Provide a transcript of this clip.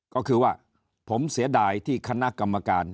ก็คือว่าผมเสียดายที่คณะกรรมการ